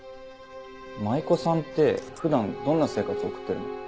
舞妓さんって普段どんな生活送ってるの？